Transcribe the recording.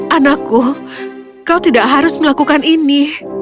anakku kau tidak harus melakukan ini